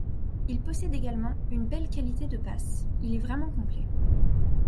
Il possède également une belle qualité de passes, il est vraiment complet.